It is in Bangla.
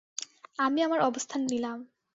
আমি আমার অবস্থান নিলাম।